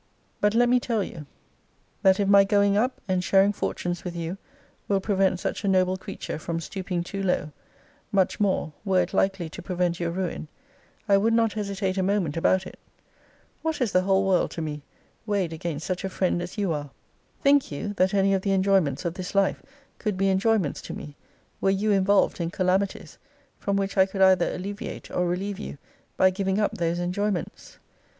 But let me tell you, that if my going up, and sharing fortunes with you, will prevent such a noble creature from stooping too low; much more, were it likely to prevent your ruin, I would not hesitate a moment about it. What is the whole world to me, weighed against such a friend as you are? Think you, that any of the enjoyments of this life could be enjoyments to me, were you involved in calamities, from which I could either alleviate or relieve you, by giving up those enjoyments?